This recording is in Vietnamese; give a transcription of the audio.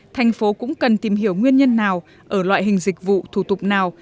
thành phố cũng cần tìm hiểu nguyên nhân nào ở loại hình dịch vụ thủ tục nào